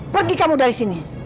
pergi kamu dari sini